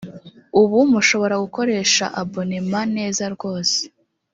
ubu mushobora gukoresha abonema neza rwose.